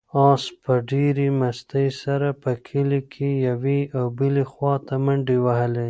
آس په ډېرې مستۍ سره په کلي کې یوې او بلې خواته منډې وهلې.